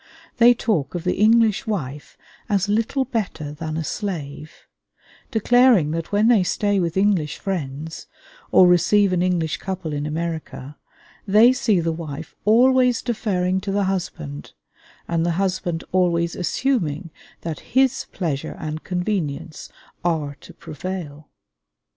They talk of the English wife as little better than a slave; declaring that when they stay with English friends, or receive an English couple in America, they see the wife always deferring to the husband and the husband always assuming that his pleasure and convenience are to prevail.